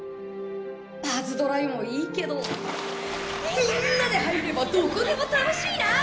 パズドラ湯もいいけどみんなで入ればどこでも楽しいなぁ！